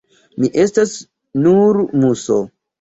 Mi estas nur muso.